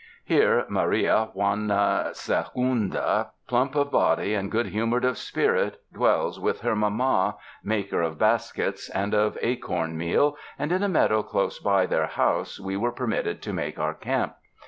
Here Maria Juana Se 90 THE MOUNTAINS gimda, plump of body and "ood humored of spirit, dwells with her mama, maker of baskets and of acorn meal, and in a meadow close by their house we were permitted to make our camp.